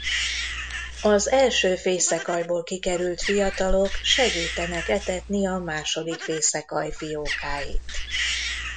Az első fészekaljból kikerült fiatalok segítenek etetni a második fészekalj fiókáit.